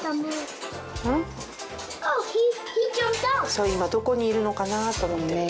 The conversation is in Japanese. そう今どこにいるのかなと思ってる。